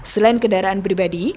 selain kendaraan pribadi